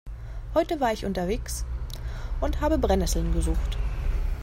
Heute war ich unterwegs und habe Brennesseln gesucht.